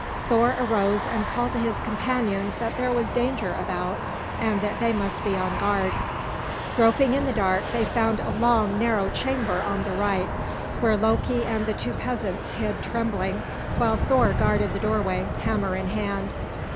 Thor arose and called to his companions that there was danger about, and that they must be on guard. Groping in the dark, they found a long, narrow chamber on the right, where Loki and the two peasants hid trembling, while Thor guarded the doorway, hammer in hand.